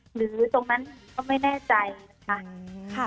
หรือตรงนั้นก็ไม่แน่ใจนะคะ